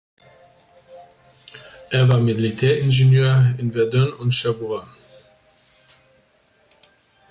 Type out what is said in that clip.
Er war Militäringenieur in Verdun und Cherbourg.